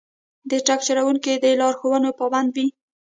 د ټرک چلوونکي د لارښوونو پابند وي.